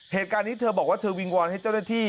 เหตุการณ์นี้เธอบอกว่าเธอวิงวอนให้เจ้าหน้าที่